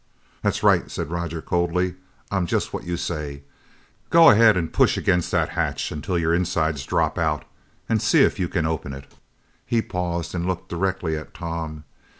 "That's right," said Roger coldly. "I'm just what you say! Go ahead, push against that hatch until your insides drop out and see if you can open it!" He paused and looked directly at Tom.